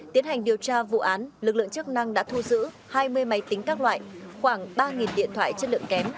tiến hành điều tra vụ án lực lượng chức năng đã thu giữ hai mươi máy tính các loại khoảng ba điện thoại chất lượng kém